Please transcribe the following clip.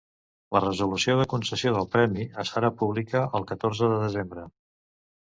La Resolució de concessió del premi es farà pública el catorze de desembre.